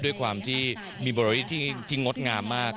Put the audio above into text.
ด้วยความที่มีบริษที่งดงามมาก